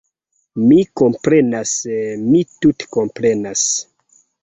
Mi komprenas... mi tute komprenas